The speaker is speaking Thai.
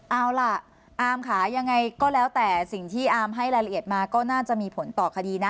เอาล่ะอามค่ะยังไงก็แล้วแต่สิ่งที่อาร์มให้รายละเอียดมาก็น่าจะมีผลต่อคดีนะ